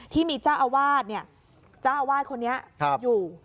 ที่มีเจ้าอาวาสเนี่ยเจ้าอาวาสคนนี้ครับอยู่